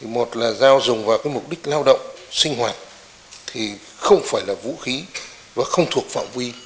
một là dao dùng vào mục đích lao động sinh hoạt thì không phải là vũ khí và không thuộc phạm vi